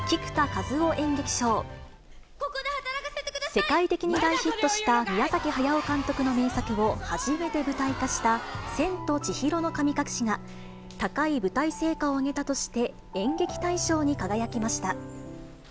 世界的に大ヒットした宮崎駿監督の名作を初めて舞台化した、千と千尋の神隠しが、高い舞台成果を上げたとして、演劇大賞に輝きました。